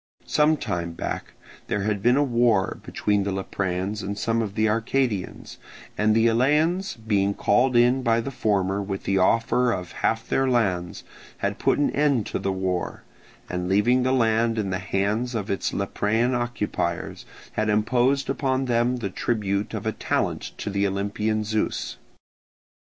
Some time back there had been a war between the Lepreans and some of the Arcadians; and the Eleans being called in by the former with the offer of half their lands, had put an end to the war, and leaving the land in the hands of its Leprean occupiers had imposed upon them the tribute of a talent to the Olympian Zeus.